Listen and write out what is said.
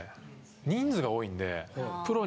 人数が多いんで。